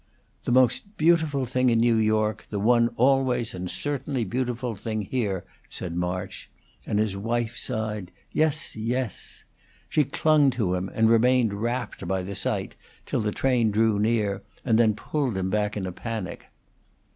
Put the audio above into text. "The most beautiful thing in New York the one always and certainly beautiful thing here," said March; and his wife sighed, "Yes, yes." She clung to him, and remained rapt by the sight till the train drew near, and then pulled him back in a panic.